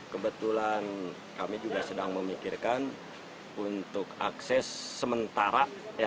kebetulan kami juga sedang memikirkan untuk akses sementara